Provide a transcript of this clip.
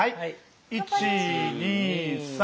１２３。